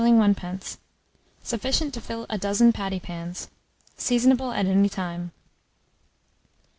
1d. Sufficient to fill a dozen patty pans. Seasonable at any time.